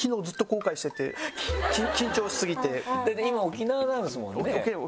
だって今沖縄なんですもんね？